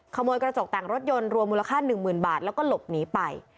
ขโมยกระจกแต่งรถยนต์รวมมูลค่า๑๐๐๐บาทแล้วก็หลบหนีไป